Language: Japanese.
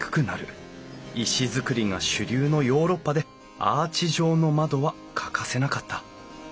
石造りが主流のヨーロッパでアーチ状の窓は欠かせなかった。